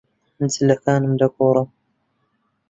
جلەکانم دەگۆڕم.